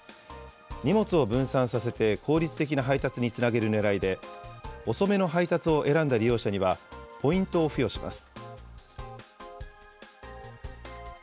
荷物を分散させて効率的な配達につなげるねらいで、遅めの配達を選んだ利用者にはポイントを付与します。